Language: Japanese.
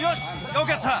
よくやった！